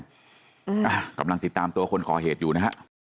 อ่ากำลังติดตามตัวคนก่อเหตุอยู่นะฮะ